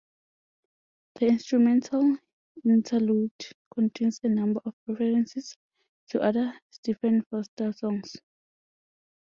The instrumental interlude contains a number of references to other Stephen Foster songs.